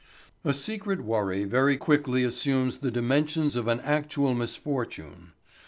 A secret worry very quickly assumes the dimensions of an actual misfortune.